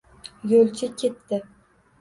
Yo’lchi ketdi